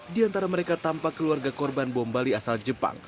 di antara mereka tampak keluarga korban bom bali asal jepang